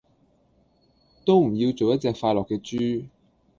都唔要做一隻快樂既豬